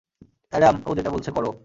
Adam, ও যেটা বলছে করো।